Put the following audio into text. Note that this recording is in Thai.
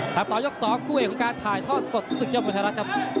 ครับตอนยกสองคู่เองของการถ่ายท่อสดศึกยภภัยรัฐ